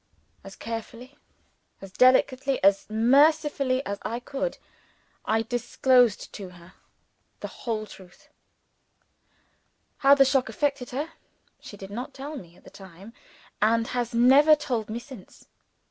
As carefully, as delicately, as mercifully as I could, I disclosed to her the whole truth. How the shock affected her, she did not tell me at the time, and has never told me since.